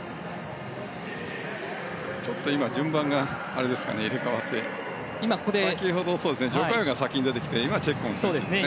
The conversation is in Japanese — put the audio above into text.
ちょっと今、順番が入れ替わって先ほどジョ・カヨが先に出てきて今、チェッコンですね。